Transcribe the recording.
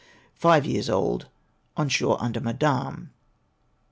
Five years old ; on shore under Madame.